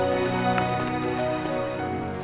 nya terima kasih